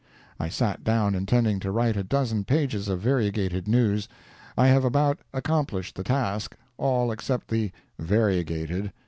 I sat down intending to write a dozen pages of variegated news. I have about accomplished the task—all except the "variegated."